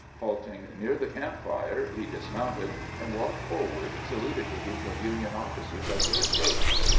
Halting near the camp fire, he dismounted and walked forward, saluting the group of Union officers as he approached.